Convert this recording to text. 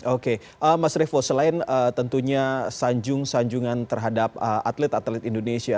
oke mas revo selain tentunya sanjung sanjungan terhadap atlet atlet indonesia